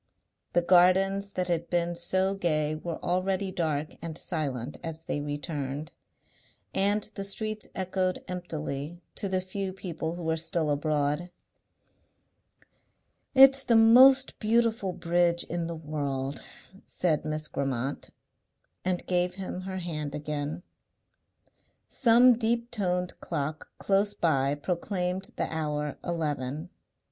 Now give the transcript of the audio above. The gardens that had been so gay were already dark and silent as they returned, and the streets echoed emptily to the few people who were still abroad. "It's the most beautiful bridge in the world," said Miss Grammont, and gave him her hand again. Some deep toned clock close by proclaimed the hour eleven.